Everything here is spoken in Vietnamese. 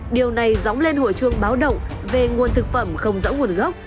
điều này dóng lên hội chuông báo động về nguồn thực phẩm không dẫu nguồn gốc